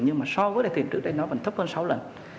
nhưng mà so với thời điểm trước đây nó vẫn thấp hơn sáu lần